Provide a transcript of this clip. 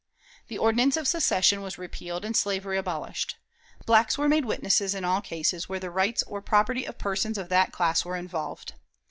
The ordinance of secession was repealed and slavery abolished. Blacks were made witnesses in all cases where the rights or property of persons of that class were involved.